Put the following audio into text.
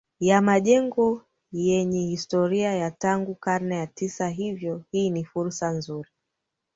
ya majengo yanye historia ya tangu karne ya Tisa hivyo hii ni fursa nzuri